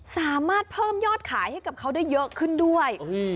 สามารถเพิ่มยอดขายให้กับเขาได้เยอะขึ้นด้วย